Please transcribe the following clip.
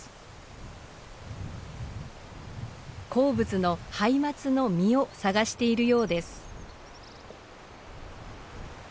好物のハイマツの実を探しているようです。